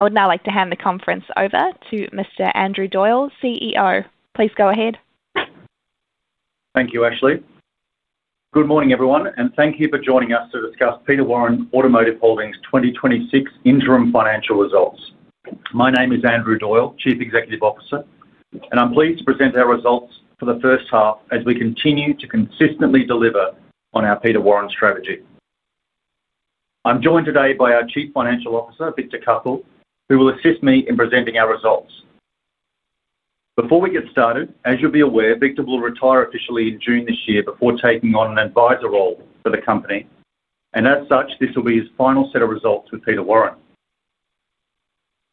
I would now like to hand the conference over to Mr. Andrew Doyle, CEO. Please go ahead. Thank you, Ashley. Good morning, everyone, and thank you for joining us to discuss Peter Warren Automotive Holdings' 2026 interim financial results. My name is Andrew Doyle, Chief Executive Officer, and I'm pleased to present our results for the first half as we continue to consistently deliver on our Peter Warren strategy. I'm joined today by our Chief Financial Officer, Victor Cuthell, who will assist me in presenting our results. Before we get started, as you'll be aware, Victor will retire officially in June this year before taking on an advisor role for the company, and as such, this will be his final set of results with Peter Warren.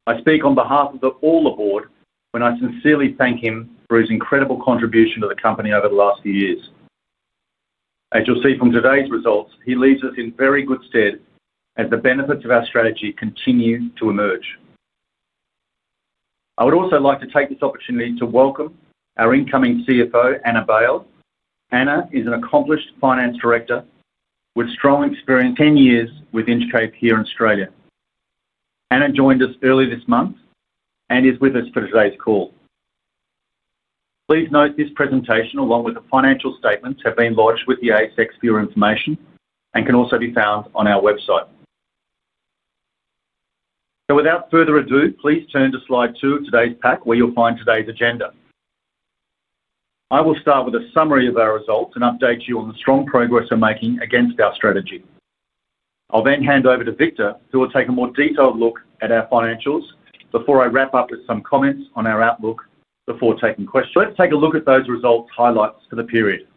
I speak on behalf of the board when I sincerely thank him for his incredible contribution to the company over the last few years. As you'll see from today's results, he leaves us in very good stead as the benefits of our strategy continue to emerge. I would also like to take this opportunity to welcome our incoming CFO, Anna Bale. Anna is an accomplished finance director with strong experience, 10 years with Intercape here in Australia. Anna joined us early this month and is with us for today's call. Please note this presentation, along with the financial statements, have been lodged with the ASX for your information and can also be found on our website. So without further ado, please turn to slide two of today's pack, where you'll find today's agenda. I will start with a summary of our results and update you on the strong progress we're making against our strategy. I'll then hand over to Victor, who will take a more detailed look at our financials before I wrap up with some comments on our outlook before taking questions. Let's take a look at those results highlights for the period.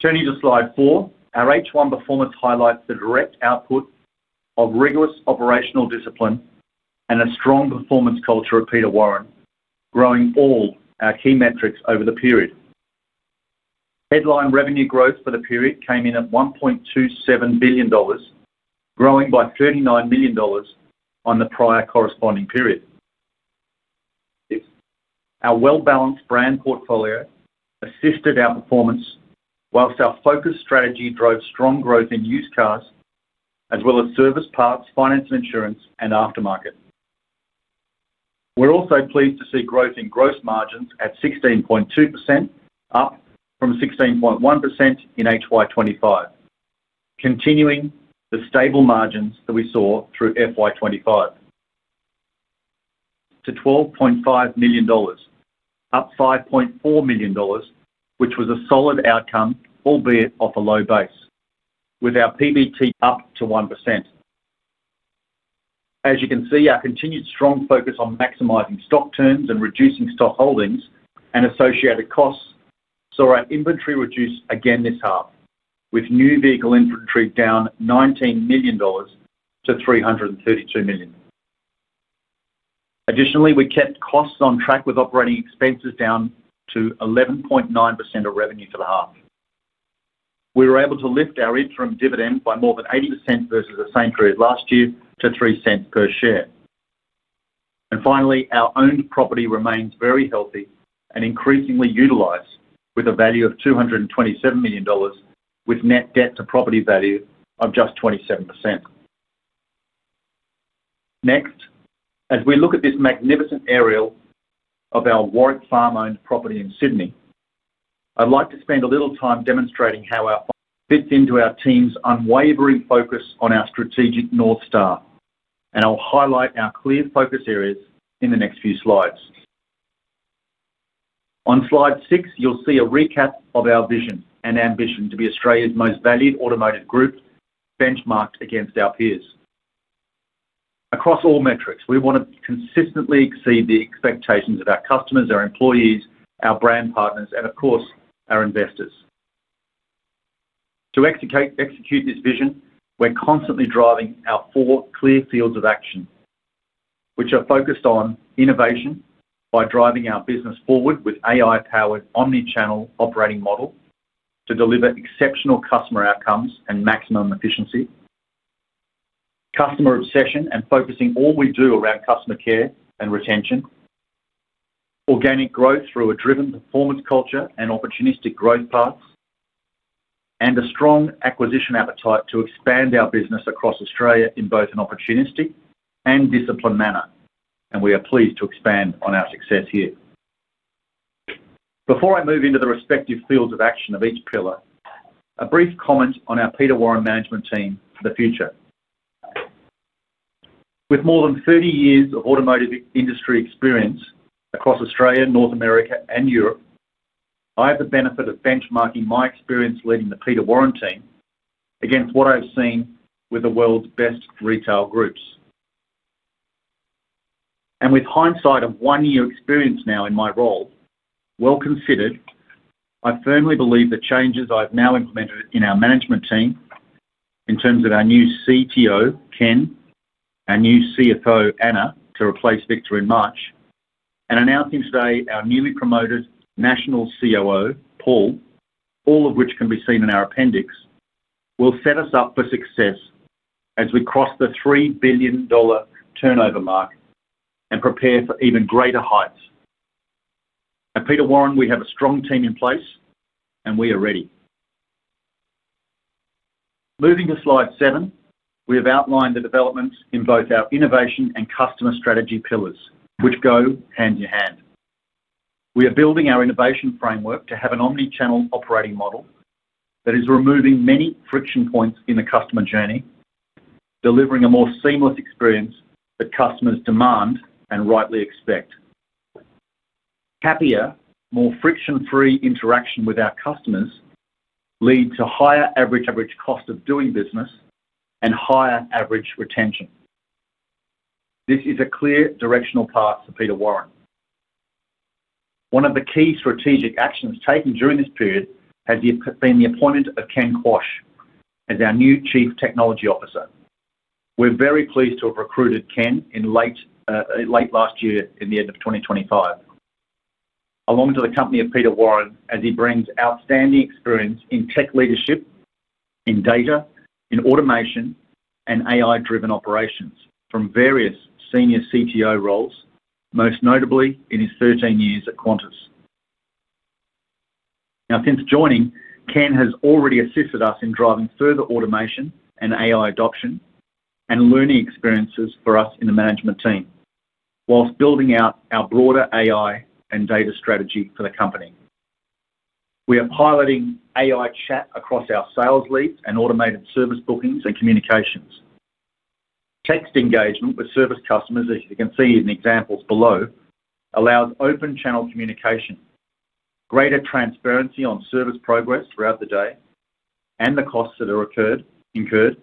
Turning to slide four, our H1 performance highlights the direct output of rigorous operational discipline and a strong performance culture of Peter Warren, growing all our key metrics over the period. Headline revenue growth for the period came in at 1.27 billion dollars, growing by 39 million dollars on the prior corresponding period. Our well-balanced brand portfolio assisted our performance, while our focused strategy drove strong growth in used cars, as well as service parts, finance and insurance, and aftermarket. We're also pleased to see growth in gross margins at 16.2%, up from 16.1% in FY 2025, continuing the stable margins that we saw through FY 2025. To 12.5 million dollars, up 5.4 million dollars, which was a solid outcome, albeit off a low base, with our PBT up to 1%. As you can see, our continued strong focus on maximizing stock turns and reducing stock holdings and associated costs, saw our inventory reduce again this half, with new vehicle inventory down 19 million dollars to 332 million. Additionally, we kept costs on track with operating expenses down to 11.9% of revenue for the half. We were able to lift our interim dividend by more than 80% versus the same period last year to 0.03 per share. And finally, our owned property remains very healthy and increasingly utilized with a value of 227 million dollars, with net debt to property value of just 27%. Next, as we look at this magnificent aerial of our Warwick Farm owned property in Sydney, I'd like to spend a little time demonstrating how our fits into our team's unwavering focus on our strategic North Star, and I'll highlight our clear focus areas in the next few slides. On slide 6, you'll see a recap of our vision and ambition to be Australia's most valued automotive group, benchmarked against our peers. Across all metrics, we want to consistently exceed the expectations of our customers, our employees, our brand partners, and of course, our investors. To execute this vision, we're constantly driving our four clear fields of action, which are focused on innovation by driving our business forward with AI-powered omni-channel operating model to deliver exceptional customer outcomes and maximum efficiency. Customer obsession and focusing all we do around customer care and retention. Organic growth through a driven performance culture and opportunistic growth paths, and a strong acquisition appetite to expand our business across Australia in both an opportunistic and disciplined manner. We are pleased to expand on our success here. Before I move into the respective fields of action of each pillar, a brief comment on our Peter Warren management team for the future. With more than 30 years of automotive industry experience across Australia, North America, and Europe, I have the benefit of benchmarking my experience leading the Peter Warren team against what I've seen with the world's best retail groups. And with hindsight of one year experience now in my role, well considered, I firmly believe the changes I've now implemented in our management team, in terms of our new CTO, Ken, our new CFO, Anna, to replace Victor in March, and announcing today our newly promoted National COO, Paul, all of which can be seen in our appendix, will set us up for success as we cross the 3 billion dollar turnover mark and prepare for even greater heights. At Peter Warren, we have a strong team in place, and we are ready.... Moving to slide seven, we have outlined the developments in both our innovation and customer strategy pillars, which go hand in hand. We are building our innovation framework to have an omni-channel operating model that is removing many friction points in the customer journey, delivering a more seamless experience that customers demand and rightly expect. Happier, more friction-free interaction with our customers lead to higher average cost of doing business and higher average retention. This is a clear directional path for Peter Warren. One of the key strategic actions taken during this period has been the appointment of Ken Quach as our new Chief Technology Officer. We're very pleased to have recruited Ken in late, late last year, in the end of 2025, along to the company of Peter Warren, as he brings outstanding experience in tech leadership, in data, in automation, and AI-driven operations from various senior CTO roles, most notably in his 13 years at Qantas. Now, since joining, Ken has already assisted us in driving further automation and AI adoption and learning experiences for us in the management team, whilst building out our broader AI and data strategy for the company. We are piloting AI chat across our sales leads and automated service bookings and communications. Text engagement with service customers, as you can see in the examples below, allows open channel communication, greater transparency on service progress throughout the day, and the costs that are incurred,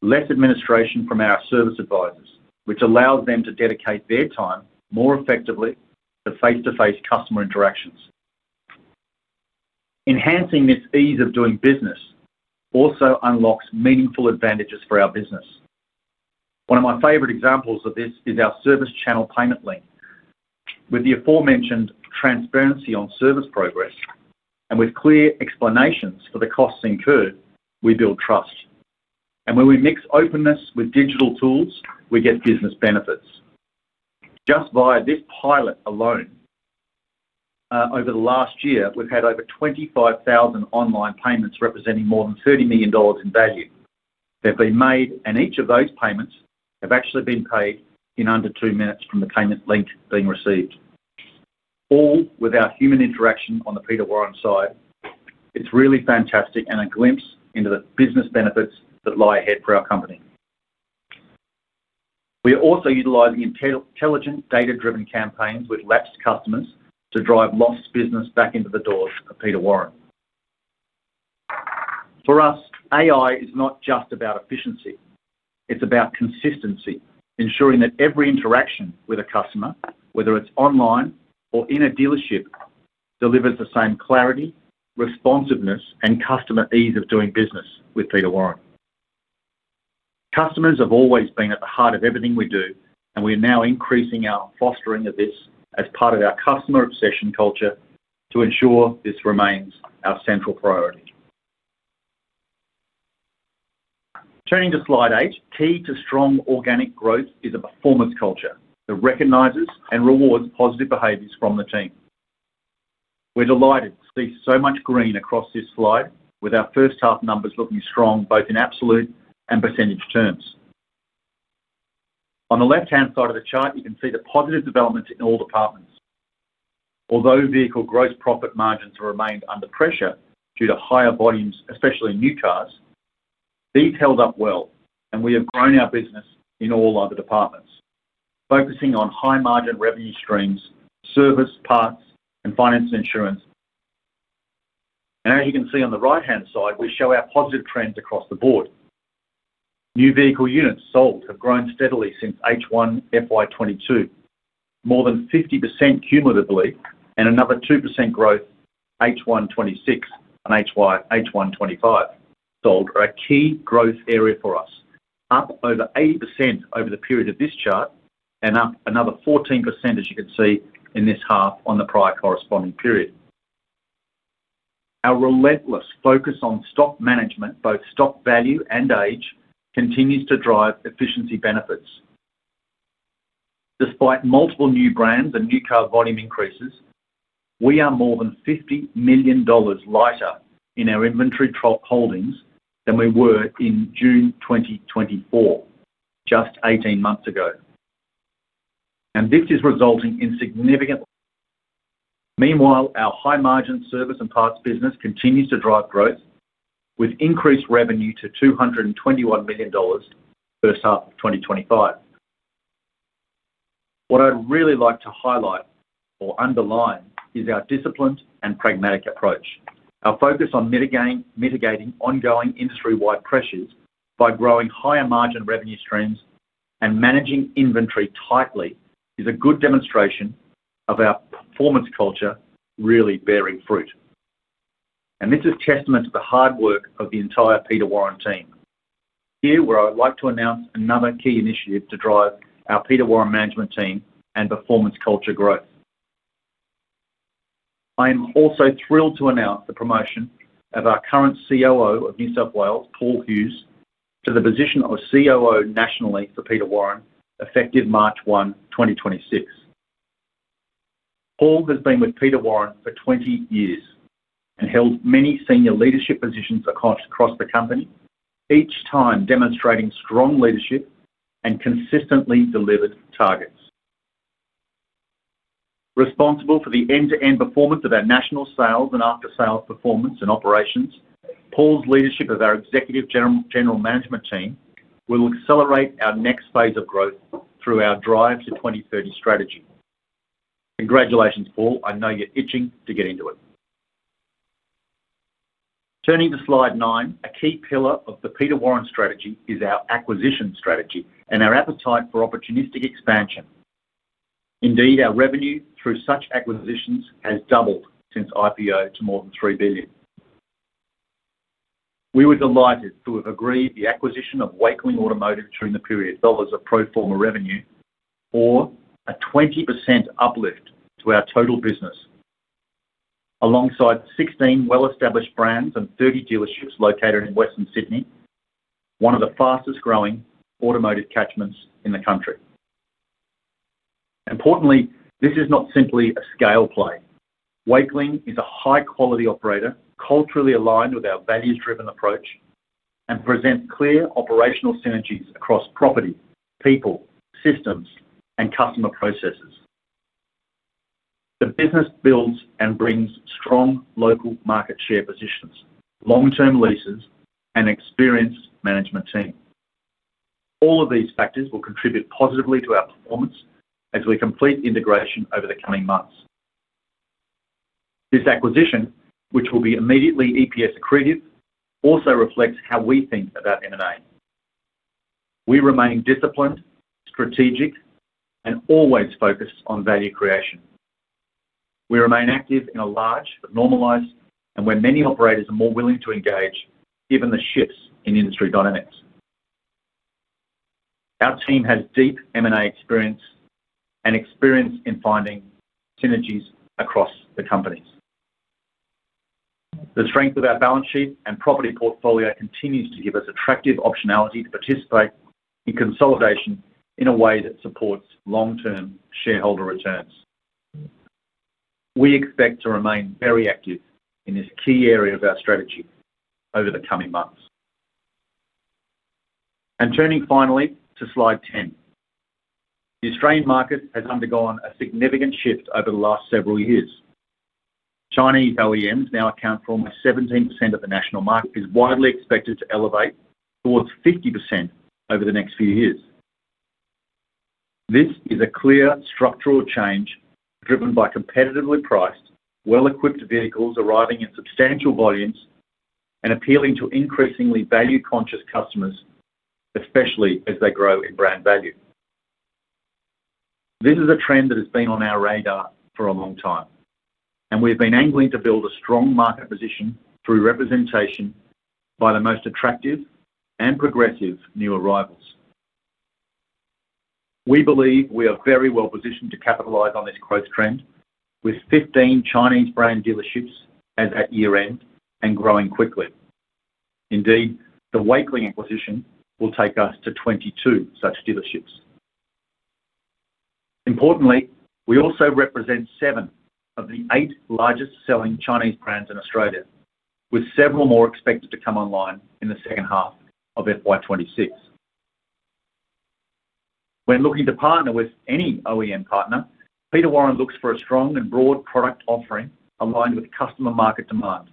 less administration from our service advisors, which allows them to dedicate their time more effectively to face-to-face customer interactions. Enhancing this ease of doing business also unlocks meaningful advantages for our business. One of my favorite examples of this is our service channel payment link. With the aforementioned transparency on service progress, and with clear explanations for the costs incurred, we build trust. When we mix openness with digital tools, we get business benefits. Just via this pilot alone, over the last year, we've had over 25,000 online payments, representing more than 30 million dollars in value. They've been made, and each of those payments have actually been paid in under two minutes from the payment link being received, all without human interaction on the Peter Warren side. It's really fantastic and a glimpse into the business benefits that lie ahead for our company. We are also utilizing intelligent, data-driven campaigns with lapsed customers to drive lost business back into the doors of Peter Warren. For us, AI is not just about efficiency, it's about consistency, ensuring that every interaction with a customer, whether it's online or in a dealership, delivers the same clarity, responsiveness, and customer ease of doing business with Peter Warren. Customers have always been at the heart of everything we do, and we are now increasing our fostering of this as part of our customer obsession culture to ensure this remains our central priority. Turning to slide eight, key to strong organic growth is a performance culture that recognizes and rewards positive behaviors from the team. We're delighted to see so much green across this slide, with our first half numbers looking strong, both in absolute and percentage terms. On the left-hand side of the chart, you can see the positive developments in all departments. Although vehicle gross profit margins remained under pressure due to higher volumes, especially in new cars, these held up well, and we have grown our business in all other departments, focusing on high-margin revenue streams, service, parts, and finance and insurance. And as you can see on the right-hand side, we show our positive trends across the board. New vehicle units sold have grown steadily since H1, FY 2022. More than 50% cumulatively, and another 2% growth H1 2026 and H2 H1 2025 used cars are a key growth area for us, up over 80% over the period of this chart, and up another 14%, as you can see in this half, on the prior corresponding period. Our relentless focus on stock management, both stock value and age, continues to drive efficiency benefits. Despite multiple new brands and new car volume increases, we are more than 50 million dollars lighter in our inventory total holdings than we were in June 2024, just 18 months ago. This is resulting in significant... Meanwhile, our high-margin service and parts business continues to drive growth, with increased revenue to 221 million dollars first half of 2025. What I'd really like to highlight or underline is our disciplined and pragmatic approach. Our focus on mitigating ongoing industry-wide pressures by growing higher-margin revenue streams and managing inventory tightly, is a good demonstration of our performance culture really bearing fruit. And this is testament to the hard work of the entire Peter Warren team. Here, where I'd like to announce another key initiative to drive our Peter Warren management team and performance culture growth. I am also thrilled to announce the promotion of our current COO of New South Wales, Paul Hughes, to the position of COO nationally for Peter Warren, effective 1st March 2026. Paul has been with Peter Warren for 20 years and held many senior leadership positions across the company, each time demonstrating strong leadership and consistently delivered targets. Responsible for the end-to-end performance of our national sales and after-sales performance and operations, Paul's leadership of our executive general, general management team will accelerate our next phase of growth through our Drive to 2030 strategy. Congratulations, Paul, I know you're itching to get into it. Turning to slide nine, a key pillar of the Peter Warren strategy is our acquisition strategy and our appetite for opportunistic expansion. Indeed, our revenue through such acquisitions has doubled since IPO to more than 3 billion. We were delighted to have agreed the acquisition of Wakeling Automotive during the period, dollars of pro forma revenue or a 20% uplift to our total business. Alongside 16 well-established brands and 30 dealerships located in Western Sydney, one of the fastest-growing automotive catchments in the country. Importantly, this is not simply a scale play. Wakeling is a high-quality operator, culturally aligned with our values-driven approach, and presents clear operational synergies across property, people, systems, and customer processes. The business builds and brings strong local market share positions, long-term leases, and experienced management team. All of these factors will contribute positively to our performance as we complete integration over the coming months. This acquisition, which will be immediately EPS accretive, also reflects how we think about M&A. We remain disciplined, strategic, and always focused on value creation. We remain active in a large but normalized, and where many operators are more willing to engage, given the shifts in industry dynamics. Our team has deep M&A experience and experience in finding synergies across the companies. The strength of our balance sheet and property portfolio continues to give us attractive optionality to participate in consolidation in a way that supports long-term shareholder returns. We expect to remain very active in this key area of our strategy over the coming months. Turning finally to slide 10. The Australian market has undergone a significant shift over the last several years. Chinese OEMs now account for almost 17% of the national market. Is widely expected to elevate towards 50% over the next few years. This is a clear structural change driven by competitively priced, well-equipped vehicles arriving in substantial volumes and appealing to increasingly value-conscious customers, especially as they grow in brand value. This is a trend that has been on our radar for a long time, and we've been angling to build a strong market position through representation by the most attractive and progressive new arrivals. We believe we are very well positioned to capitalize on this growth trend, with 15 Chinese brand dealerships as at year-end and growing quickly. Indeed, the Wakeling acquisition will take us to 22 such dealerships. Importantly, we also represent seven of the eight largest-selling Chinese brands in Australia, with several more expected to come online in the second half of FY 2026. When looking to partner with any OEM partner, Peter Warren looks for a strong and broad product offering aligned with customer market demand,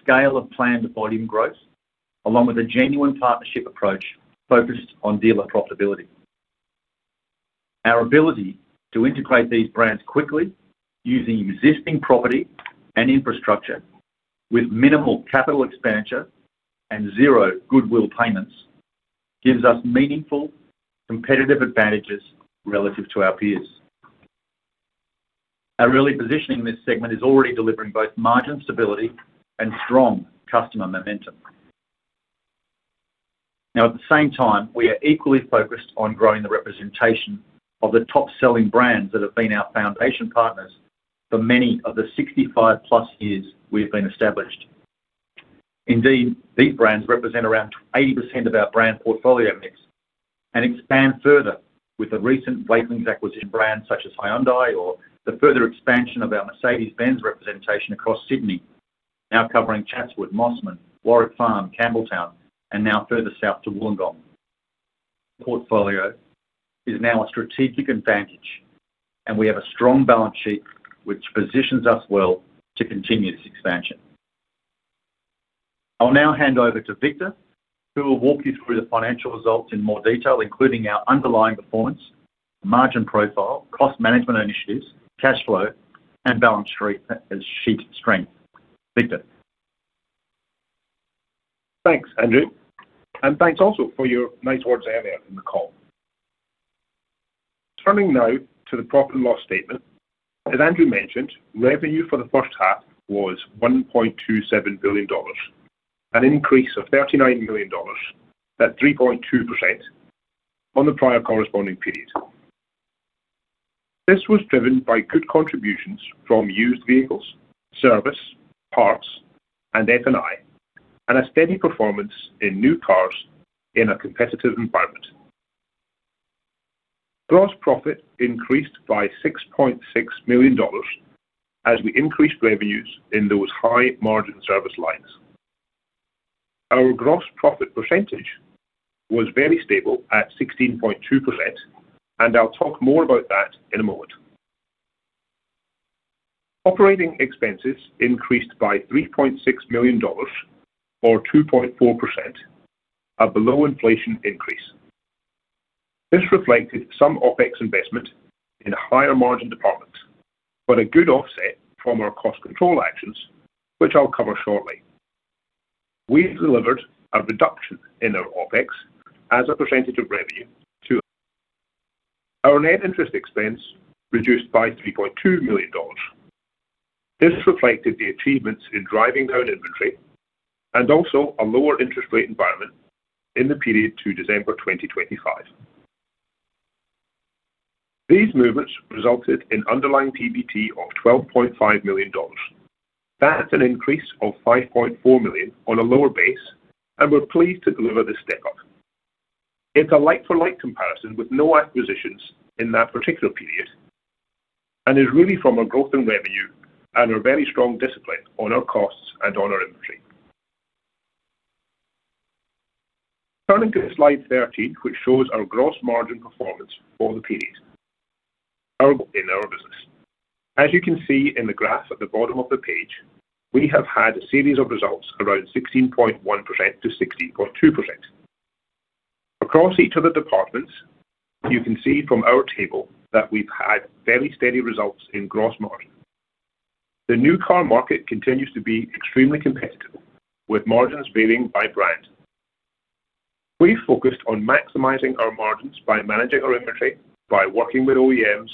scale of planned volume growth, along with a genuine partnership approach focused on dealer profitability. Our ability to integrate these brands quickly using existing property and infrastructure with minimal capital expenditure and zero goodwill payments, gives us meaningful competitive advantages relative to our peers. Our early positioning in this segment is already delivering both margin stability and strong customer momentum. Now, at the same time, we are equally focused on growing the representation of the top-selling brands that have been our foundation partners for many of the +65 years we've been established. Indeed, these brands represent around 80% of our brand portfolio mix and expand further with the recent Wakeling's acquisition brands such as Hyundai or the further expansion of our Mercedes-Benz representation across Sydney, now covering Chatswood, Mosman, Warwick Farm, Campbelltown, and now further south to Wollongong. Portfolio is now a strategic advantage, and we have a strong balance sheet, which positions us well to continue this expansion. I'll now hand over to Victor, who will walk you through the financial results in more detail, including our underlying performance, margin profile, cost management initiatives, cash flow, and balance sheet strength. Victor? Thanks, Andrew, and thanks also for your nice words earlier in the call. Turning now to the profit and loss statement. As Andrew mentioned, revenue for the first half was 1.27 billion dollars, an increase of 39 million dollars, at 3.2% on the prior corresponding period. This was driven by good contributions from used vehicles, service, parts, and F&I, and a steady performance in new cars in a competitive environment.... Gross profit increased by 6.6 million dollars as we increased revenues in those high-margin service lines. Our gross profit percentage was very stable at 16.2%, and I'll talk more about that in a moment. Operating expenses increased by 3.6 million dollars, or 2.4%, a below-inflation increase. This reflected some OpEx investment in higher-margin departments, but a good offset from our cost control actions, which I'll cover shortly. We've delivered a reduction in our OpEx as a percentage of revenue to... Our net interest expense reduced by 3.2 million dollars. This reflected the achievements in driving down inventory and also a lower interest rate environment in the period to December 2025. These movements resulted in underlying PBT of 12.5 million dollars. That's an increase of 5.4 million on a lower base, and we're pleased to deliver this step-up. It's a like-for-like comparison with no acquisitions in that particular period, and is really from our growth in revenue and our very strong discipline on our costs and on our inventory. Turning to Slide 13, which shows our gross margin performance for the period, in our business. As you can see in the graph at the bottom of the page, we have had a series of results around 16.1%-16.2%. Across each of the departments, you can see from our table that we've had very steady results in gross margin. The new car market continues to be extremely competitive, with margins varying by brand. We focused on maximizing our margins by managing our inventory, by working with OEMs,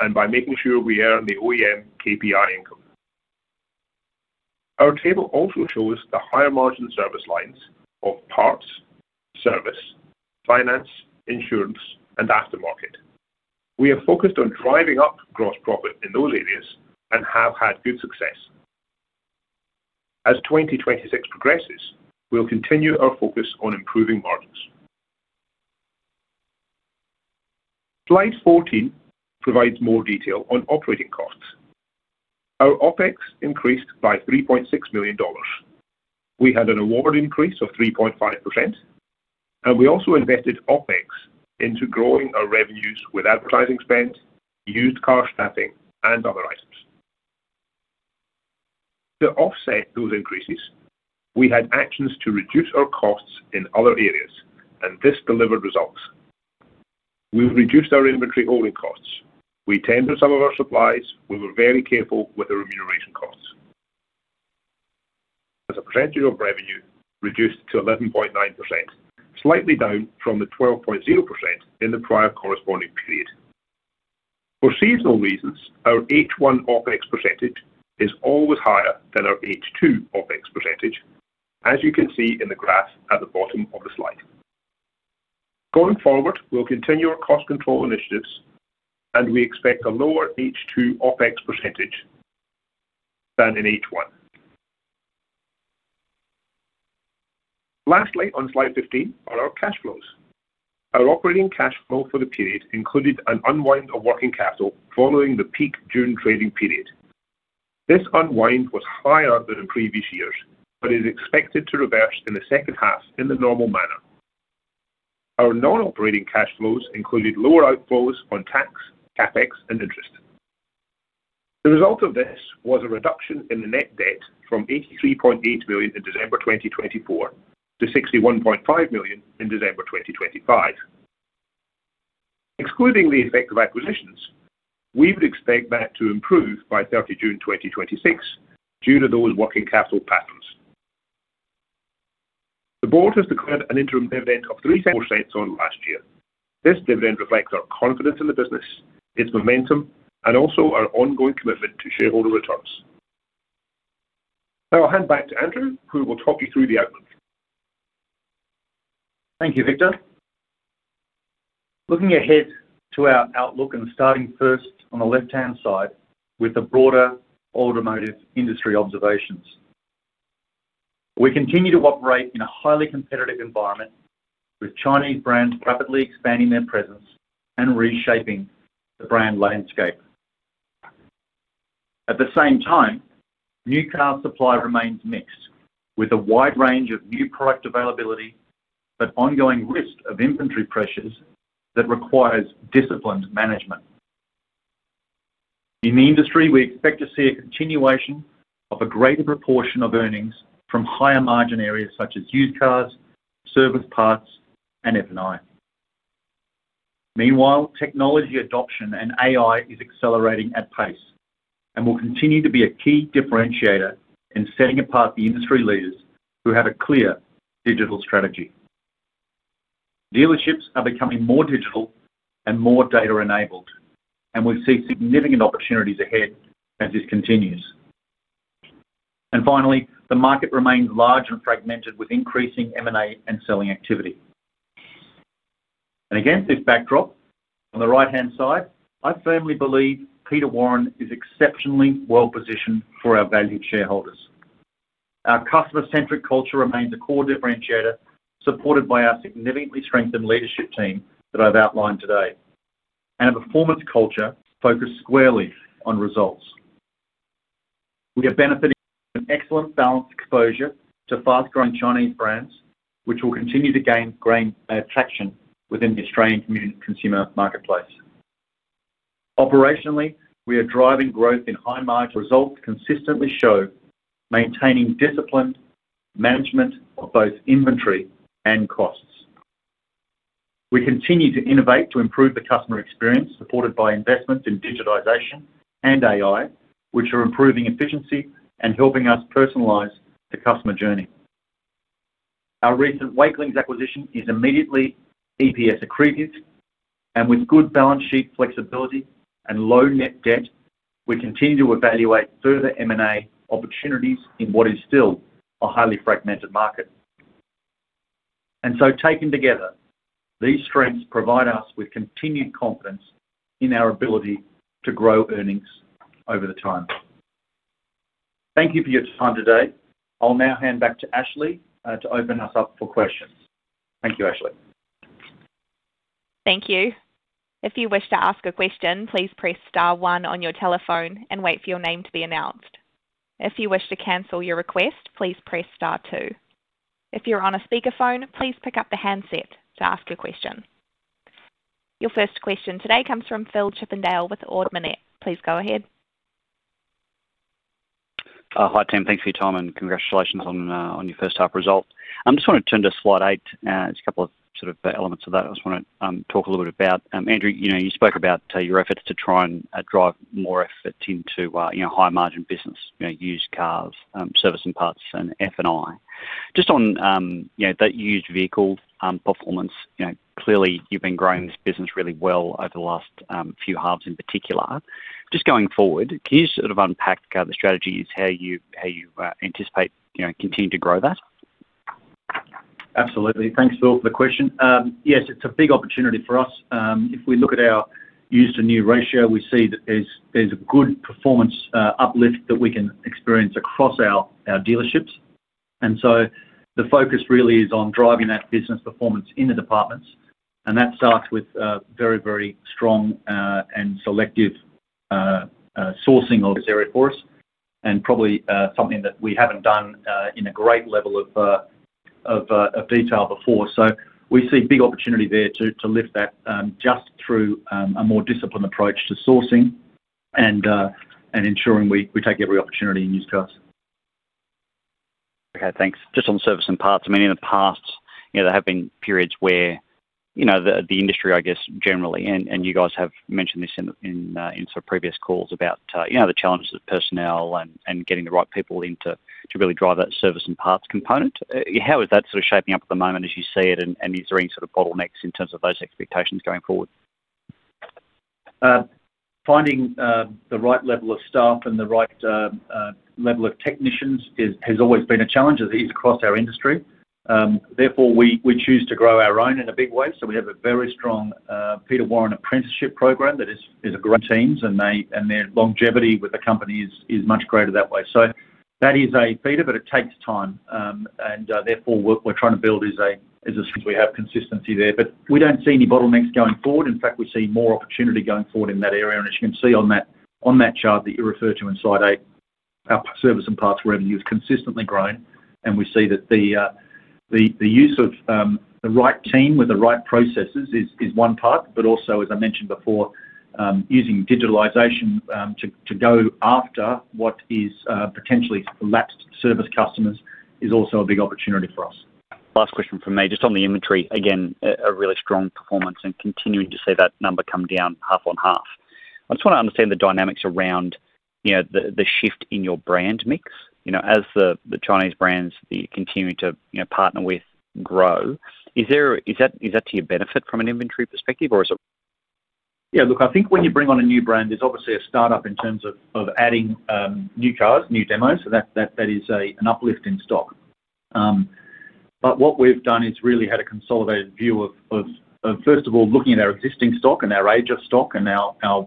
and by making sure we earn the OEM KPI income. Our table also shows the higher-margin service lines of parts, service, finance, insurance, and aftermarket. We have focused on driving up gross profit in those areas and have had good success. As 2026 progresses, we'll continue our focus on improving margins. Slide 14 provides more detail on operating costs. Our OpEx increased by 3.6 million dollars. We had an award increase of 3.5%, and we also invested OpEx into growing our revenues with advertising spend, used car staffing, and other items. To offset those increases, we had actions to reduce our costs in other areas, and this delivered results. We reduced our inventory holding costs. We tended some of our supplies. We were very careful with our remuneration costs. As a percentage of revenue reduced to 11.9%, slightly down from the 12.0% in the prior corresponding period. For seasonal reasons, our H1 OpEx percentage is always higher than our H2 OpEx percentage, as you can see in the graph at the bottom of the slide. Going forward, we'll continue our cost control initiatives, and we expect a lower H2 OpEx percentage than in H1. Lastly, on Slide 15, are our cash flows. Our operating cash flow for the period included an unwind of working capital following the peak June trading period. This unwind was higher than in previous years, but is expected to reverse in the second half in the normal manner. Our non-operating cash flows included lower outflows on tax, CapEx, and interest. The result of this was a reduction in the net debt from 83.8 million in December 2024 to 61.5 million in December 2025. Excluding the effect of acquisitions, we would expect that to improve by 30th June 2026, due to those working capital patterns. The board has declared an interim dividend of AUD 0.03...0.04 on last year. This dividend reflects our confidence in the business, its momentum, and also our ongoing commitment to shareholder returns. Now I'll hand back to Andrew, who will talk you through the outlook. Thank you, Victor. Looking ahead to our outlook and starting first on the left-hand side with the broader automotive industry observations. We continue to operate in a highly competitive environment, with Chinese brands rapidly expanding their presence and reshaping the brand landscape. At the same time, new car supply remains mixed, with a wide range of new product availability, but ongoing risk of inventory pressures that requires disciplined management. In the industry, we expect to see a continuation of a greater proportion of earnings from higher-margin areas such as used cars, service parts, and F&I. Meanwhile, technology adoption and AI is accelerating at pace and will continue to be a key differentiator in setting apart the industry leaders who have a clear digital strategy. Dealerships are becoming more digital and more data-enabled, and we see significant opportunities ahead as this continues. Finally, the market remains large and fragmented, with increasing M&A and selling activity. Against this backdrop, on the right-hand side, I firmly believe Peter Warren is exceptionally well-positioned for our valued shareholders.... Our customer-centric culture remains a core differentiator, supported by our significantly strengthened leadership team that I've outlined today, and a performance culture focused squarely on results. We are benefiting from an excellent balanced exposure to fast-growing Chinese brands, which will continue to gain, gain, traction within the Australian consumer marketplace. Operationally, we are driving growth in high-margin results, consistently show maintaining disciplined management of both inventory and costs. We continue to innovate to improve the customer experience, supported by investments in digitization and AI, which are improving efficiency and helping us personalize the customer journey. Our recent Wakeling's acquisition is immediately EPS accretive, and with good balance sheet flexibility and low net debt, we continue to evaluate further M&A opportunities in what is still a highly fragmented market. And so, taken together, these strengths provide us with continued confidence in our ability to grow earnings over the time. Thank you for your time today. I'll now hand back to Ashley to open us up for questions. Thank you, Ashley. Thank you. If you wish to ask a question, please press star one on your telephone and wait for your name to be announced. If you wish to cancel your request, please Press Star two. If you're on a speakerphone, please pick up the handset to ask your question. Your first question today comes from Phil Chippendale with Ord Minnett. Please go ahead. Hi, team. Thanks for your time, and congratulations on your first half results. I just wanna turn to slide 8, just a couple of sort of elements of that. I just wanna talk a little bit about Andrew, you know, you spoke about your efforts to try and drive more effort into, you know, higher margin business, you know, used cars, service and parts, and F&I. Just on, you know, that used vehicle performance, you know, clearly you've been growing this business really well over the last few halves in particular. Just going forward, can you sort of unpack the strategies, how you, how you anticipate, you know, continuing to grow that? Absolutely. Thanks, Phil, for the question. Yes, it's a big opportunity for us. If we look at our used-to-new ratio, we see that there's a good performance uplift that we can experience across our dealerships. And so the focus really is on driving that business performance in the departments, and that starts with very, very strong and selective sourcing of this area for us, and probably something that we haven't done in a great level of of detail before. So we see big opportunity there to lift that, just through a more disciplined approach to sourcing and ensuring we take every opportunity in used cars. Okay, thanks. Just on service and parts, I mean, in the past, you know, there have been periods where, you know, the industry, I guess, generally, and you guys have mentioned this in some previous calls about, you know, the challenges of personnel and getting the right people in to really drive that service and parts component. How is that sort of shaping up at the moment as you see it, and is there any sort of bottlenecks in terms of those expectations going forward? Finding the right level of staff and the right level of technicians has always been a challenge, as it is across our industry. Therefore, we choose to grow our own in a big way. So we have a very strong Peter Warren Apprenticeship Program that is a great teams, and their longevity with the company is much greater that way. So that is a beta, but it takes time, and therefore, what we're trying to build is a... We have consistency there, but we don't see any bottlenecks going forward. In fact, we see more opportunity going forward in that area. As you can see on that, on that chart that you refer to in slide eight, our service and parts revenue has consistently grown, and we see that the use of the right team with the right processes is one part. But also, as I mentioned before, using digitalization to go after what is potentially lapsed service customers is also a big opportunity for us. Last question from me. Just on the inventory, again, a really strong performance and continuing to see that number come down half on half. I just want to understand the dynamics around, you know, the shift in your brand mix. You know, as the Chinese brands continue to, you know, partner with grow, is there—is that, is that to your benefit from an inventory perspective, or is it? Yeah, look, I think when you bring on a new brand, there's obviously a startup in terms of adding new cars, new demos, so that is an uplift in stock. But what we've done is really had a consolidated view of first of all, looking at our existing stock and our age of stock and our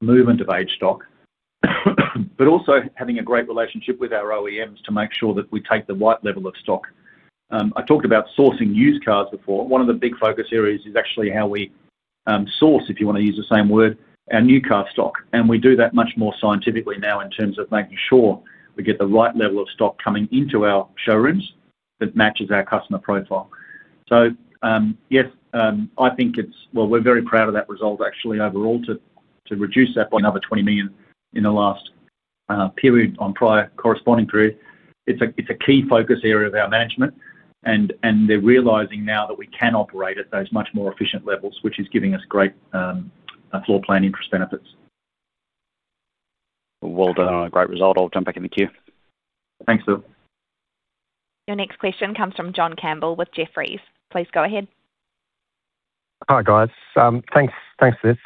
movement of age stock, but also having a great relationship with our OEMs to make sure that we take the right level of stock. I talked about sourcing used cars before. One of the big focus areas is actually how we source, if you wanna use the same word, our new car stock. And we do that much more scientifically now in terms of making sure we get the right level of stock coming into our showrooms that matches our customer profile. Yes, I think it's... Well, we're very proud of that result, actually, overall, to reduce that by another 20 million in the last period on prior corresponding period. It's a key focus area of our management, and they're realizing now that we can operate at those much more efficient levels, which is giving us great floor plan interest benefits. Well done. Great result. I'll jump back in the queue. Thanks, Phil. Your next question comes from John Campbell with Jefferies. Please go ahead. Hi, guys. Thanks, thanks for this.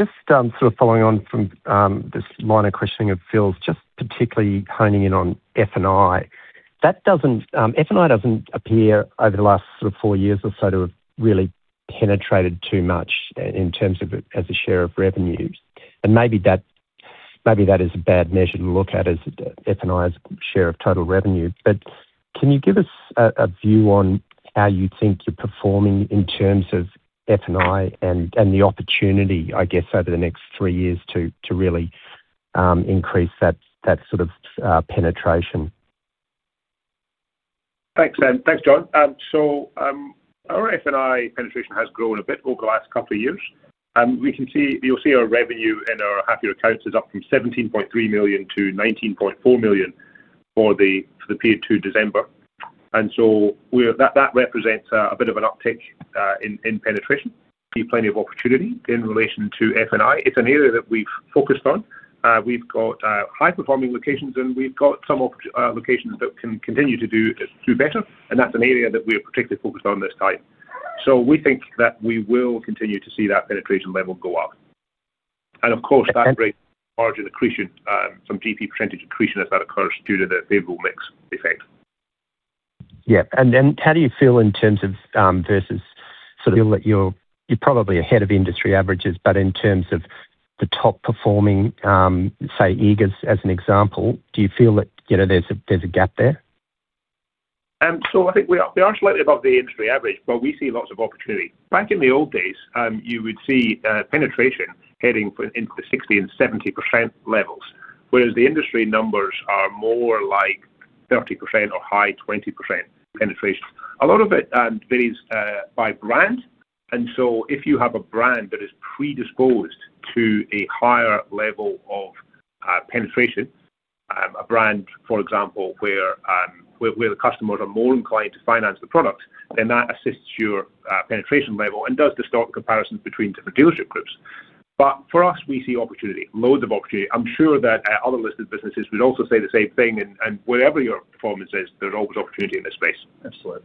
Just sort of following on from this minor questioning of Phil's, just particularly honing in on F&I. That doesn't, F&I doesn't appear over the last sort of four years or so to have really penetrated too much in terms of as a share of revenues. And maybe that, maybe that is a bad measure to look at as F&I's share of total revenue. But can you give us a view on how you think you're performing in terms of F&I and the opportunity, I guess, over the next three years to really increase that sort of penetration? Thanks, thanks, John. So, our F&I penetration has grown a bit over the last couple of years. You'll see our revenue in our half-year accounts is up from 17.3 million to 19.4 million for the period to December. That represents a bit of an uptick in penetration. See plenty of opportunity in relation to F&I. It's an area that we've focused on. We've got high-performing locations, and we've got some locations that can continue to do better, and that's an area that we are particularly focused on this time. So we think that we will continue to see that penetration level go up. And of course, that rate margin accretion, some GP percentage accretion, as that occurs due to the favorable mix effect. Yeah. And then how do you feel in terms of versus sort of that you're, you're probably ahead of industry averages, but in terms of the top-performing, say, Eagers, as an example, do you feel that, you know, there's a, there's a gap there? So I think we are slightly above the industry average, but we see lots of opportunity. Back in the old days, you would see penetration heading for 60% and 70% levels, whereas the industry numbers are more like 30% or high 20% penetration. A lot of it varies by brand, and so if you have a brand that is predisposed to a higher level of penetration, a brand, for example, where the customers are more inclined to finance the product, then that assists your penetration level and does distort comparisons between different dealership groups. But for us, we see opportunity, loads of opportunity. I'm sure that other listed businesses would also say the same thing, and wherever your performance is, there's always opportunity in this space. Absolutely.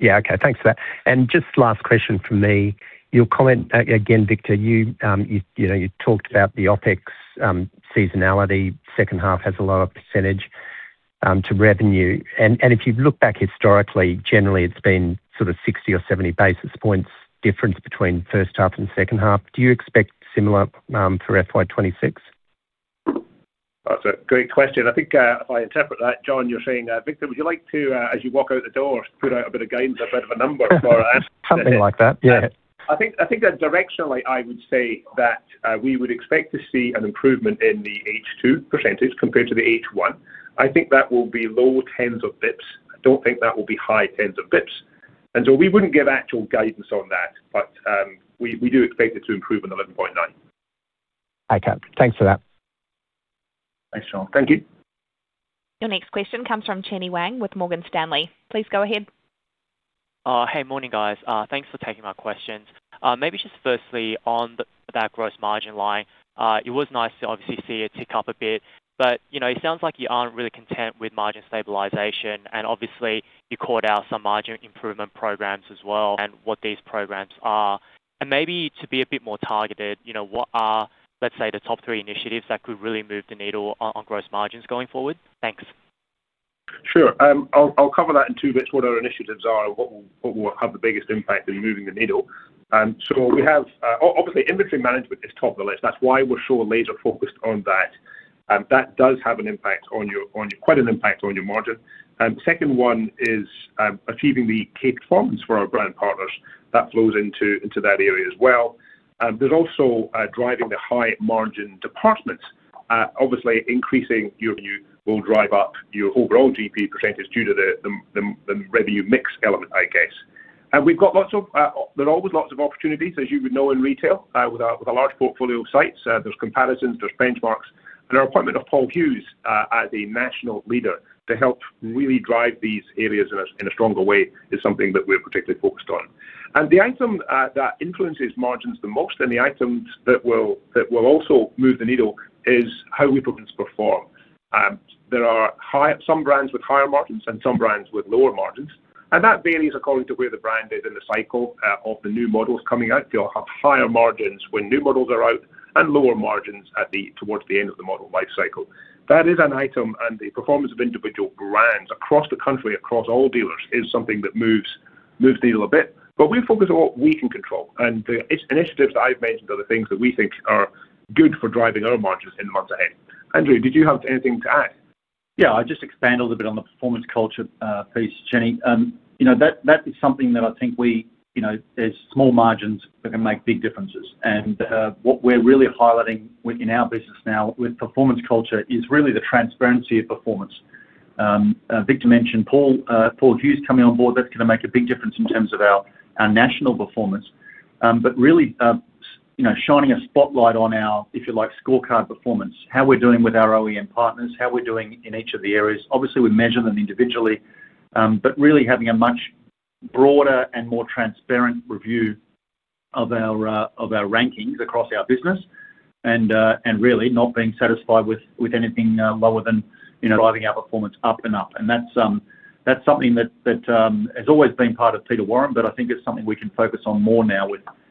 Yeah, okay. Thanks for that. And just last question from me. Your comment, again, Victor, you know, you talked about the OpEx seasonality. Second half has a lower percentage to revenue. And if you look back historically, generally, it's been sort of 60 or 70 basis points difference between first half and second half. Do you expect similar for FY 2026? That's a great question. I think, if I interpret that, John, you're saying, "Victor, would you like to, as you walk out the door, put out a bit of guidance, a bit of a number for us? Something like that, yeah. I think, I think that directionally, I would say that we would expect to see an improvement in the H2 percentage compared to the H1. I think that will be low tens of basis points. I don't think that will be high tens of basis points. And so we wouldn't give actual guidance on that, but we, we do expect it to improve on 11.9%. Okay. Thanks for that. Thanks, John. Thank you. Your next question comes from Chenny Wang with Morgan Stanley. Please go ahead. Hey, morning, guys. Thanks for taking my questions. Maybe just firstly, on that gross margin line, it was nice to obviously see it tick up a bit, but, you know, it sounds like you aren't really content with margin stabilization, and obviously, you called out some margin improvement programs as well, and what these programs are. And maybe to be a bit more targeted, you know, what are, let's say, the top three initiatives that could really move the needle on gross margins going forward? Thanks. Sure. I'll cover that in two bits, what our initiatives are and what will have the biggest impact in moving the needle. So we have obviously inventory management is top of the list. That's why we're so laser-focused on that. That does have an impact on your quite an impact on your margin. Second one is achieving the capped forms for our brand partners. That flows into that area as well. There's also driving the high-margin departments. Obviously, increasing your view will drive up your overall GP percentage due to the revenue mix element, I guess. And we've got lots of, there are always lots of opportunities, as you would know, in retail with a large portfolio of sites. There's comparisons, there's benchmarks. Our appointment of Paul Hughes as a national leader to help really drive these areas in a stronger way is something that we're particularly focused on. The item that influences margins the most, and the items that will also move the needle, is how our products perform. There are some brands with higher margins and some brands with lower margins, and that varies according to where the brand is in the cycle of the new models coming out. They'll have higher margins when new models are out and lower margins towards the end of the model life cycle. That is an item, and the performance of individual brands across the country, across all dealers, is something that moves the needle a bit. But we focus on what we can control, and the IT initiatives that I've mentioned are the things that we think are good for driving our margins in the months ahead. Andrew, did you have anything to add? Yeah, I'll just expand a little bit on the performance culture, piece, Chenni. You know, that is something that I think we, you know, there's small margins that can make big differences. And, what we're really highlighting within our business now with performance culture is really the transparency of performance. Victor mentioned Paul, Paul Hughes coming on board. That's gonna make a big difference in terms of our national performance. But really, you know, shining a spotlight on our, if you like, scorecard performance, how we're doing with our OEM partners, how we're doing in each of the areas. Obviously, we measure them individually, but really having a much broader and more transparent review of our rankings across our business, and really not being satisfied with anything lower than, you know, driving our performance up and up. That's something that has always been part of Peter Warren, but I think it's something we can focus on more now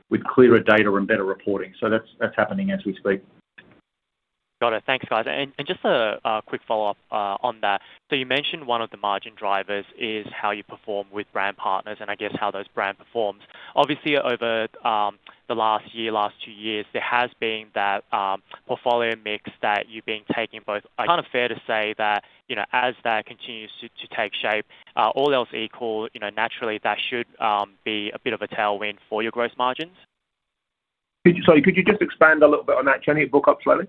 with clearer data and better reporting. That's happening as we speak. Got it. Thanks, guys. And just a quick follow-up on that. So you mentioned one of the margin drivers is how you perform with brand partners, and I guess how those brand performs. Obviously, over the last year, last two years, there has been that portfolio mix that you've been taking both. Kind of fair to say that, you know, as that continues to take shape, all else equal, you know, naturally, that should be a bit of a tailwind for your growth margins? Could you just expand a little bit on that, Chenni? Book up slowly.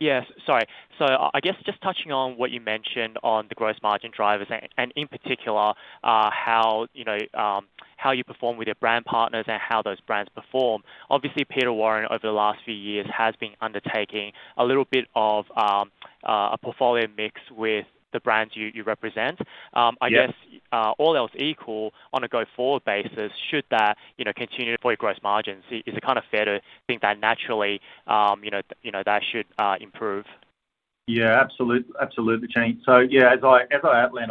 Yeah, sorry. So I, I guess just touching on what you mentioned on the gross margin drivers and, and in particular, you know, how, you know, how you perform with your brand partners and how those brands perform. Obviously, Peter Warren, over the last few years, has been undertaking a little bit of, a portfolio mix with the brands you, you represent. Yeah. I guess, all else equal, on a go-forward basis, should that, you know, continue for your gross margins? Is it kind of fair to think that naturally, you know, you know, that should, improve? Yeah, absolutely, Chenny. So yeah, as I outlined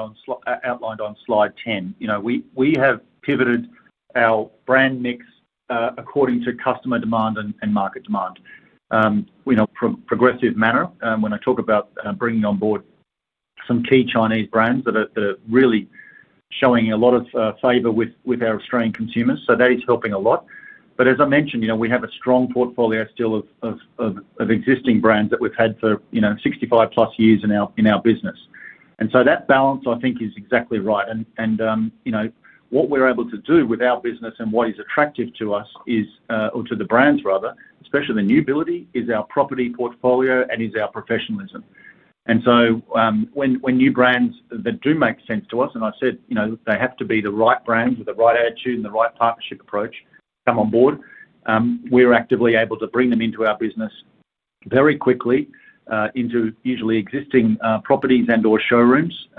on slide 10, you know, we have pivoted our brand mix according to customer demand and market demand in a progressive manner. When I talk about bringing on board some key Chinese brands that are really showing a lot of favor with our Australian consumers, so that is helping a lot. But as I mentioned, you know, we have a strong portfolio still of existing brands that we've had for, you know, 65+ years in our business. And so that balance, I think, is exactly right. You know, what we're able to do with our business and what is attractive to us is, or to the brands rather, especially the new ability, is our property portfolio and is our professionalism. And so, when new brands that do make sense to us, and I said, you know, they have to be the right brands with the right attitude and the right partnership approach, come on board, we're actively able to bring them into our business very quickly, into usually existing properties and/or showrooms,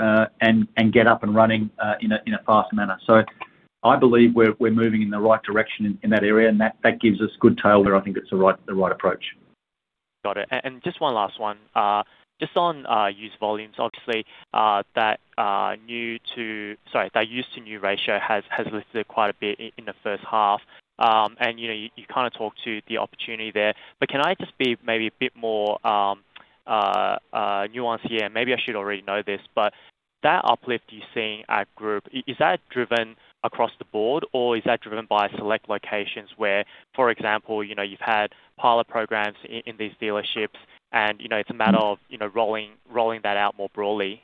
and get up and running, in a fast manner. So I believe we're moving in the right direction in that area, and that gives us good tailwind. I think it's the right approach. Got it. And just one last one. Just on used volumes, obviously, that new to... Sorry, that used-to-new ratio has lifted quite a bit in the first half. And, you know, you kind of talked to the opportunity there. But can I just be maybe a bit more nuanced here? Maybe I should already know this, but that uplift you're seeing at Group is that driven across the board, or is that driven by select locations where, for example, you know, you've had pilot programs in these dealerships and, you know, it's a matter of, you know, rolling that out more broadly?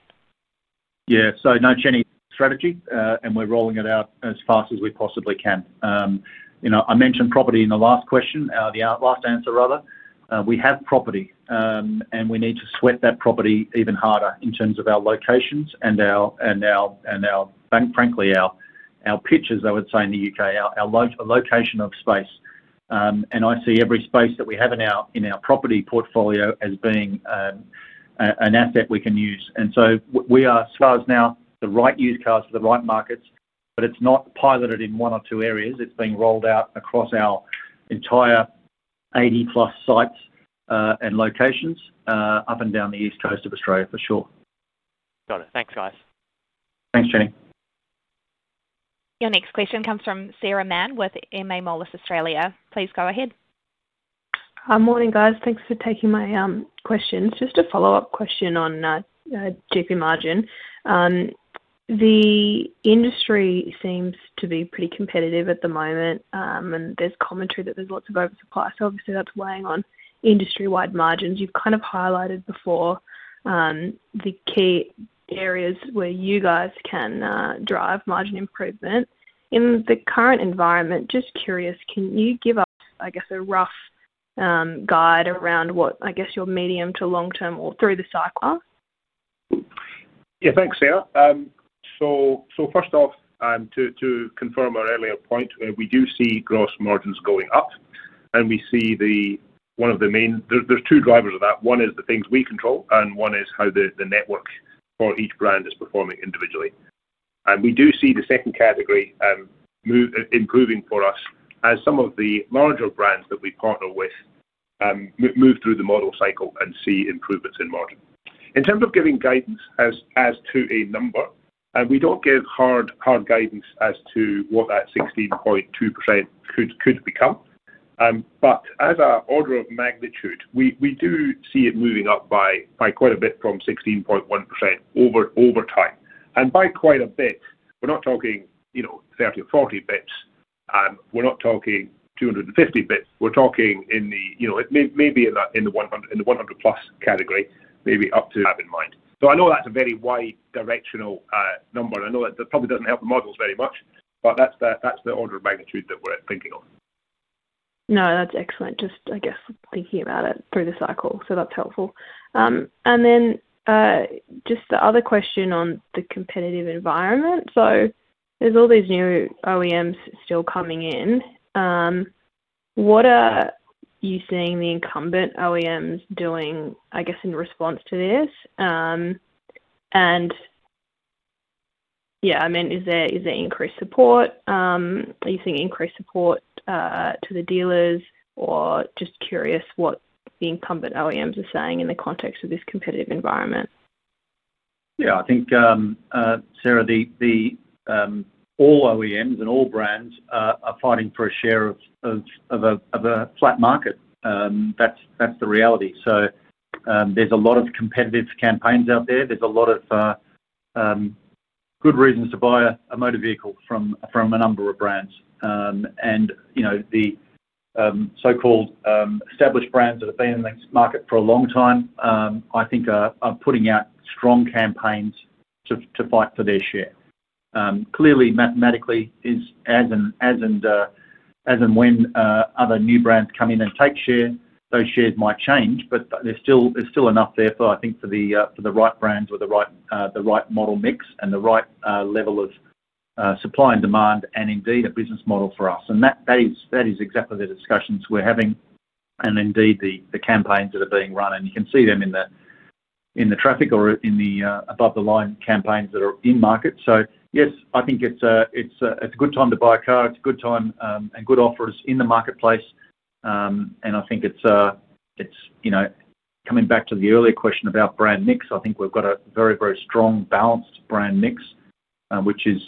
Yeah. So no change strategy, and we're rolling it out as fast as we possibly can. You know, I mentioned property in the last question, the last answer, rather. We have property, and we need to sweat that property even harder in terms of our locations and our frankly, our pitches, I would say, in the UK, our location of space. And I see every space that we have in our property portfolio as being an asset we can use. And so we are, as far as now, the right used cars for the right markets, but it's not piloted in one or two areas. It's being rolled out across our entire 80+ sites and locations up and down the east coast of Australia for sure. Got it. Thanks, guys. Thanks, Jenny. Your next question comes from Sarah Mann with Moelis Australia. Please go ahead. Hi. Morning, guys. Thanks for taking my questions. Just a follow-up question on GP margin. The industry seems to be pretty competitive at the moment, and there's commentary that there's lots of oversupply, so obviously that's weighing on industry-wide margins. You've kind of highlighted before the key areas where you guys can drive margin improvement. In the current environment, just curious, can you give us, I guess, a rough guide around what, I guess, your medium to long-term or through the cycle are? Yeah, thanks, Sarah. So first off, and to confirm our earlier point, we do see gross margins going up, and we see the one of the main. There's two drivers of that. One is the things we control, and one is how the network for each brand is performing individually. And we do see the second category moving improving for us as some of the larger brands that we partner with move through the model cycle and see improvements in margin. In terms of giving guidance as to a number, and we don't give hard guidance as to what that 16.2% could become. But as an order of magnitude, we do see it moving up by quite a bit from 16.1% over time. By quite a bit, we're not talking, you know, 30 or 40 bits, and we're not talking 250 bits. We're talking in the, you know, it maybe in the, in the 100, in the 100 plus category, maybe up to have in mind. So I know that's a very wide directional number, and I know that, that probably doesn't help the models very much, but that's the, that's the order of magnitude that we're thinking of. No, that's excellent. Just, I guess, thinking about it through the cycle, so that's helpful. And then, just the other question on the competitive environment. So there's all these new OEMs still coming in. What are you seeing the incumbent OEMs doing, I guess, in response to this? And yeah, I mean, is there increased support? Are you seeing increased support to the dealers? Or just curious what the incumbent OEMs are saying in the context of this competitive environment.... Yeah, I think, Sarah, the all OEMs and all brands are fighting for a share of a flat market. That's the reality. So, there's a lot of competitive campaigns out there. There's a lot of good reasons to buy a motor vehicle from a number of brands. And, you know, the so-called established brands that have been in this market for a long time, I think are putting out strong campaigns to fight for their share. Clearly, mathematically, as and when other new brands come in and take share, those shares might change, but there's still enough there for, I think, the right brands or the right model mix and the right level of supply and demand, and indeed, a business model for us. And that is exactly the discussions we're having, and indeed, the campaigns that are being run. And you can see them in the traffic or in the above-the-line campaigns that are in market. So yes, I think it's a good time to buy a car. It's a good time, and good offers in the marketplace. And I think it's, you know, coming back to the earlier question about brand mix. I think we've got a very, very strong, balanced brand mix, which is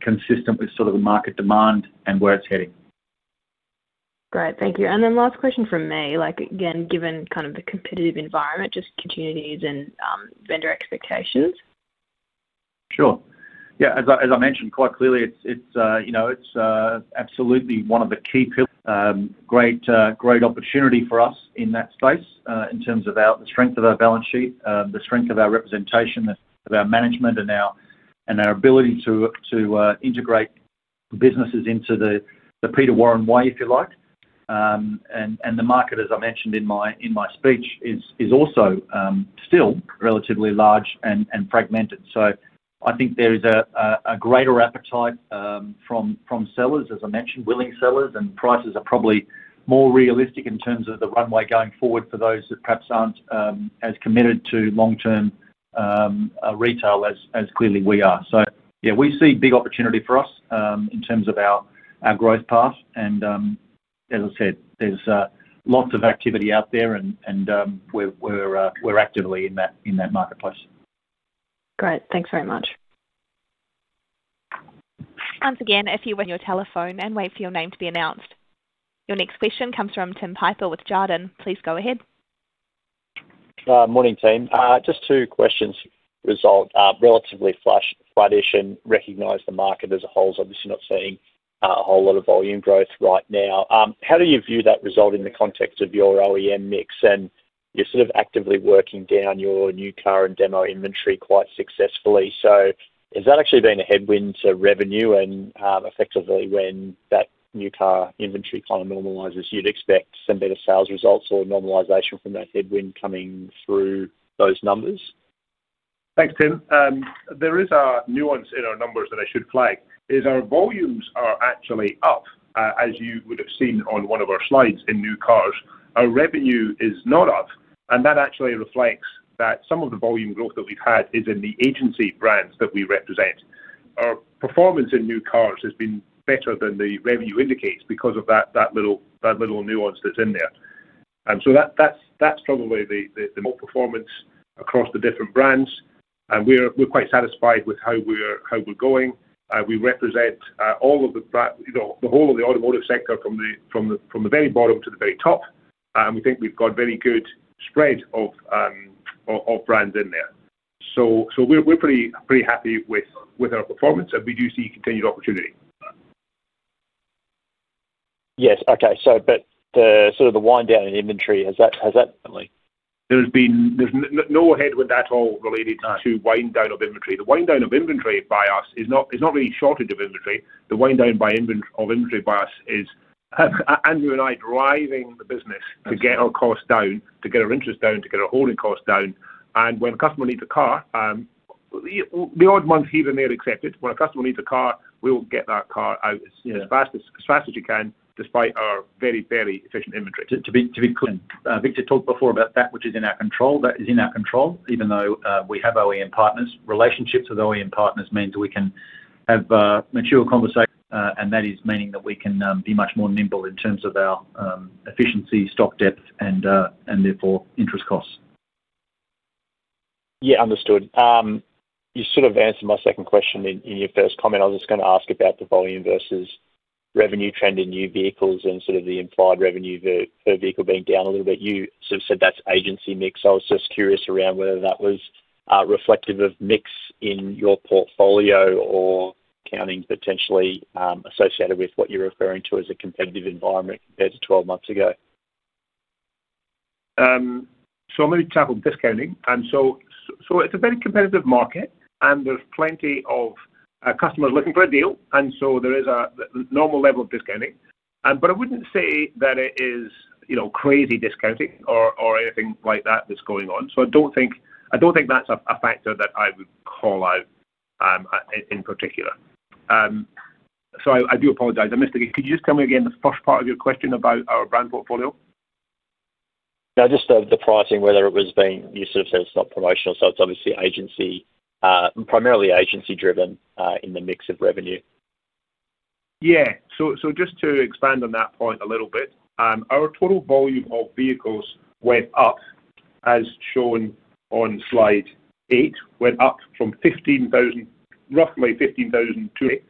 consistent with sort of the market demand and where it's heading. Great, thank you. Then last question from me, like, again, given kind of the competitive environment, just communities and vendor expectations. Sure. Yeah, as I mentioned, quite clearly, it's, you know, it's absolutely one of the key pillars, great opportunity for us in that space, in terms of our... The strength of our balance sheet, the strength of our representation, of our management, and our ability to integrate businesses into the Peter Warren way, if you like. And the market, as I mentioned in my speech, is also still relatively large and fragmented. So I think there is a greater appetite from sellers, as I mentioned, willing sellers, and prices are probably more realistic in terms of the runway going forward for those that perhaps aren't as committed to long-term retail as clearly we are. So yeah, we see big opportunity for us in terms of our growth path. As I said, there's lots of activity out there and we're actively in that marketplace. Great. Thanks very much. Once again, if you wait on your telephone and wait for your name to be announced. Your next question comes from Tim Piper with Jarden. Please go ahead. Morning, team. Just two questions. Result relatively flattish and recognize the market as a whole is obviously not seeing a whole lot of volume growth right now. How do you view that result in the context of your OEM mix? And you're sort of actively working down your new car and demo inventory quite successfully. So has that actually been a headwind to revenue? And effectively, when that new car inventory kind of normalizes, you'd expect some better sales results or normalization from that headwind coming through those numbers? Thanks, Tim. There is a nuance in our numbers that I should flag: our volumes are actually up, as you would have seen on one of our slides in new cars. Our revenue is not up, and that actually reflects that some of the volume growth that we've had is in the agency brands that we represent. Our performance in new cars has been better than the revenue indicates because of that little nuance that's in there. And so that's probably the more performance across the different brands, and we're quite satisfied with how we're going. We represent all of the brands, you know, the whole of the automotive sector from the very bottom to the very top. We think we've got very good spread of brands in there. So we're pretty happy with our performance, and we do see continued opportunity. Yes. Okay. So, but the sort of the wind down in inventory, has that, has that- There's no headwind at all related- Ah. to wind down of inventory. The wind down of inventory by us is not, is not really shortage of inventory. The wind down of inventory by us is, Andrew and I driving the business. Okay. -to get our costs down, to get our interest down, to get our holding costs down. And when a customer needs a car, the odd months here and there accepted, when a customer needs a car, we'll get that car out as, you know- Yeah... as fast as we can, despite our very, very efficient inventory. To be clear, Victor talked before about that which is in our control. That is in our control, even though we have OEM partners. Relationships with OEM partners means we can have mature conversations, and that is meaning that we can be much more nimble in terms of our efficiency, stock depth, and therefore, interest costs. Yeah, understood. You sort of answered my second question in your first comment. I was just gonna ask about the volume versus revenue trend in new vehicles and sort of the implied revenue per vehicle being down a little bit. You sort of said that's agency mix. I was just curious around whether that was reflective of mix in your portfolio or accounting potentially associated with what you're referring to as a competitive environment compared to twelve months ago? So let me tackle discounting, and so it's a very competitive market, and there's plenty of customers looking for a deal, and so there is a normal level of discounting. But I wouldn't say that it is, you know, crazy discounting or anything like that that's going on. So I don't think, I don't think that's a factor that I would call out in particular. So I do apologize. I missed it. Could you just tell me again the first part of your question about our brand portfolio? No, just the pricing, whether it was being— you sort of said it's not promotional, so it's obviously agency, primarily agency-driven, in the mix of revenue. Yeah. So, just to expand on that point a little bit, our total volume of vehicles went up, as shown on slide eieght, went up from 15,000, roughly 15,000-8.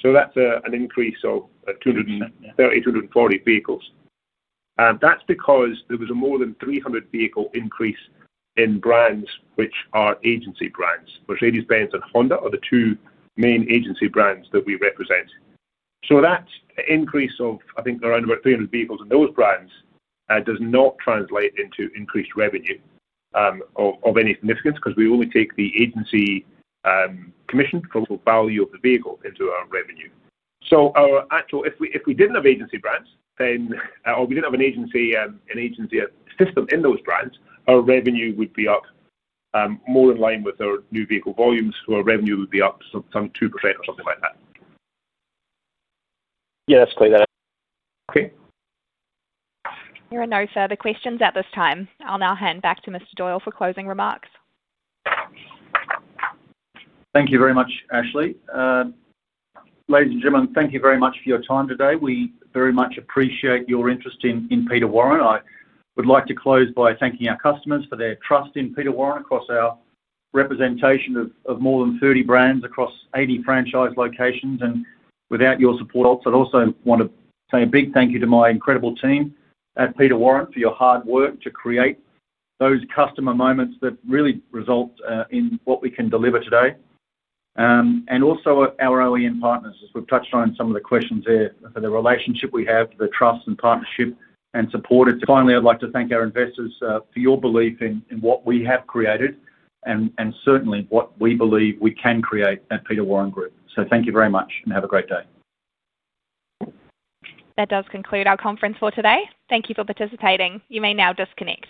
So that's an increase of 230, 240 vehicles. And that's because there was a more than 300 vehicle increase in brands, which are agency brands. Mercedes-Benz and Honda are the two main agency brands that we represent. So that increase of, I think around about 300 vehicles in those brands, does not translate into increased revenue of any significance, 'cause we only take the agency commission for the value of the vehicle into our revenue. So our actual—if we didn't have agency brands, then or we didn't have an agency system in those brands, our revenue would be up more in line with our new vehicle volumes, so our revenue would be up some 2% or something like that. Yeah, that's clear. Okay. There are no further questions at this time. I'll now hand back to Mr. Doyle for closing remarks. Thank you very much, Ashley. Ladies and gentlemen, thank you very much for your time today. We very much appreciate your interest in, in Peter Warren. I would like to close by thanking our customers for their trust in Peter Warren across our representation of, of more than 30 brands across 80 franchise locations. And without your support... I also want to say a big thank you to my incredible team at Peter Warren for your hard work to create those customer moments that really result in what we can deliver today. And also our OEM partners, as we've touched on some of the questions there, for the relationship we have, the trust and partnership and support. Finally, I'd like to thank our investors for your belief in, in what we have created and, and certainly what we believe we can create at Peter Warren Group. Thank you very much, and have a great day. That does conclude our conference for today. Thank you for participating. You may now disconnect.